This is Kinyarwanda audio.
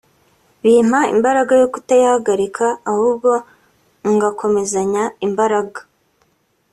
bimpa imbaraga yo kutayihagarika ahubwo ngakomezanya imbaraga